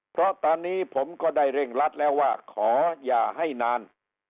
เพราะตอนนี้ผมก็ได้เร่งรัดแล้วว่าขออย่าให้นาน